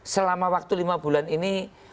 selama waktu lima bulan ini